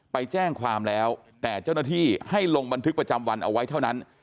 ไปแจ้งความแล้วแต่เจ้าหน้าที่ให้ลงบันทึกประจำวันเอาไว้เท่านั้น